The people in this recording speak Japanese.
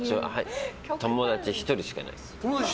友達１人しかいないです。